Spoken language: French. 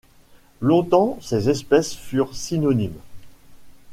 Longtemps ces espèces furent synonymes.